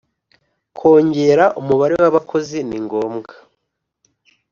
Kongera umubare w’Abakozi ni ngombwa